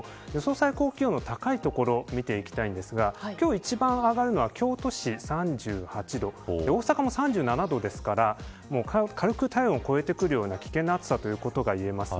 最高気温の高い所を見ていきたいんですか今日一番上がるのは京都市３８度大阪も３７度ですから軽く体温を超えてくるような危険な暑さということがいえます。